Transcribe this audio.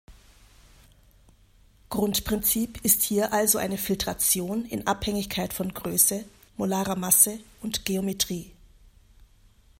Grundprinzip ist hier also eine Filtration in Abhängigkeit von Größe, molarer Masse und Geometrie.